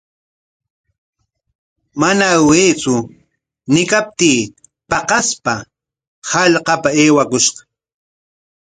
Mana aywaytsu ñiykaptii paqaspa hallqapa aywakushqa.